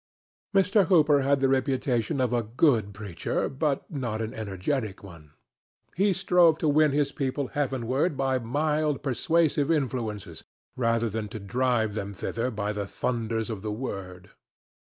Mr. Hooper had the reputation of a good preacher, but not an energetic one: he strove to win his people heavenward by mild, persuasive influences rather than to drive them thither by the thunders of the word.